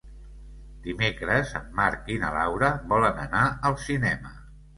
Dimecres en Marc i na Laura volen anar al cinema.